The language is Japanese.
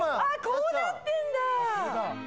こうなってんだ。